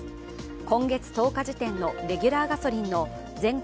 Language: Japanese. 今月１０日時点のレギュラーガソリンの全国